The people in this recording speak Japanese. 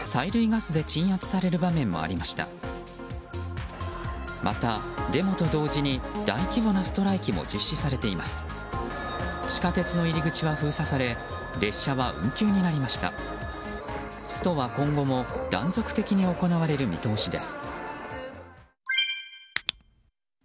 ストは今後も断続的に行われる見通しです。